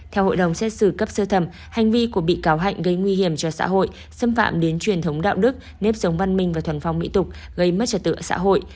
theo hội đồng xét xử cấp sơ thẩm hành vi của bị cáo hạnh gây nguy hiểm cho xã hội xâm phạm đến truyền thống đạo đức nếp sống văn minh và thuần phong mỹ tục gây mất trật tự xã hội